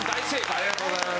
ありがとうございます。